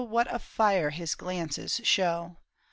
What a fire his glances show